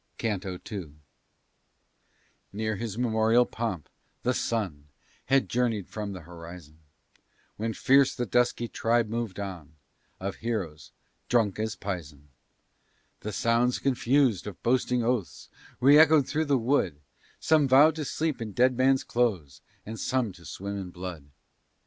CANTO II Near his meridian pomp, the sun Had journey'd from th' horizon; When fierce the dusky tribe mov'd on, Of heroes drunk as pison. The sounds confus'd of boasting oaths, Reëchoed through the wood; Some vow'd to sleep in dead men's clothes, And some to swim in blood.